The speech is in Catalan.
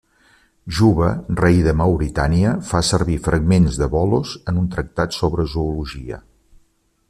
Juba, rei de Mauritània, fa servir fragments de Bolos en un tractat sobre zoologia.